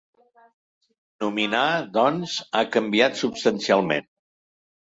Nominar, doncs, ha canviat substancialment.